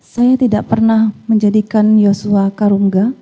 saya tidak pernah menjadikan yosua karungga